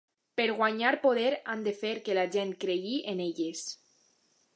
Per guanyar poder han de fer que la gent cregui en elles.